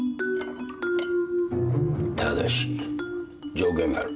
ただし条件がある。